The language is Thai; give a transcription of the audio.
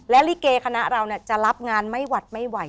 และริเกย์คณะเราเนี่ยจะรับงานไม่หวัดไม่ไหว